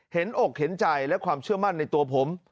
อกเห็นใจและความเชื่อมั่นในตัวผม